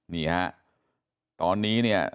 นี่ฮะตอนนี้เนี่ย